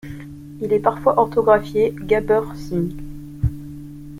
Il est parfois orthographié Gabber Singh.